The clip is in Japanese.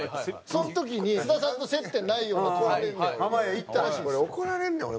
その時に津田さんと接点ないような頃に行ったらしいんですよ。